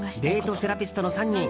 セラピストの３人。